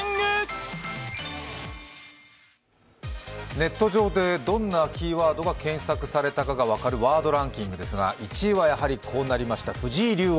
ネット上でどんなキーワードが検索されたかが分かるワードランキングですが、１位はやはりこうなりました、藤井竜王。